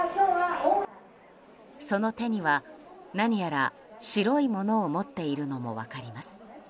その手には、何やら白いものを持っているのも分かります。